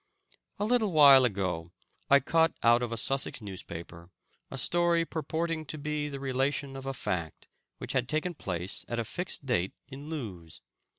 A little while ago I cut out of a Sussex newspaper a story purporting to be the relation of a fact which had taken place at a fixed date in Lewes.